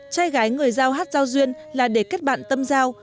trai gái người giao hát giao duyên là để kết bạn tâm giao